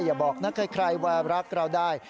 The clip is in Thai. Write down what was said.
อย่าบอกนะใครว่ารักเราได้